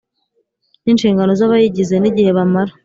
N inshingano z abayigize n igihe bamara